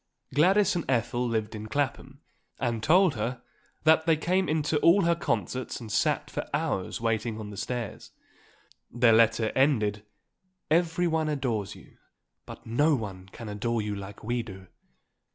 Gladys and Ethel lived in Clapham and told her that they came in to all her concerts and sat for hours waiting on the stairs. Their letter ended: "Everyone adores you, but no one can adore you like we do.